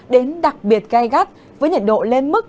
đến đặc biệt gai gắt với nhiệt độ lên mức